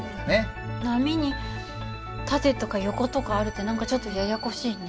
波に縦とか横とかあるって何かちょっとややこしいね。